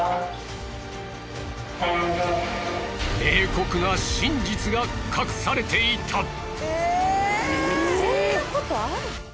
冷酷な真実が隠されていた。